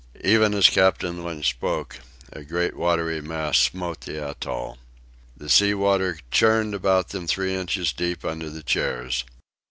Even as Captain Lynch spoke, a great watery mass smote the atoll. The sea water churned about them three inches deep under the chairs.